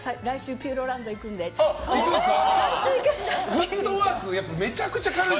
ピューロランド行くんですか？